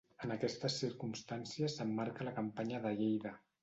En aquestes circumstàncies s'emmarca la Campanya de Lleida.